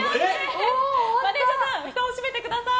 マネジャーさんふたを閉めてください。